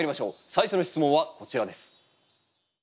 最初の質問はこちらです。